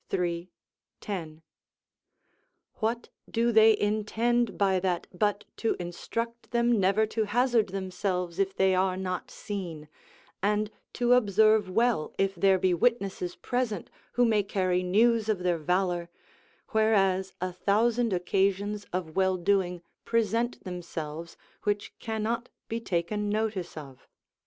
10.] what do they intend by that but to instruct them never to hazard themselves if they are not seen, and to observe well if there be witnesses present who may carry news of their valour, whereas a thousand occasions of well doing present themselves which cannot be taken notice of?